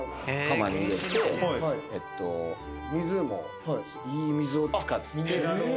水もいい水を使って。